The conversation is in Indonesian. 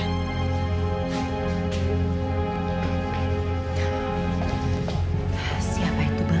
tapi saya tidak tahu siapa itu